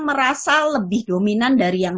merasa lebih dominan dari yang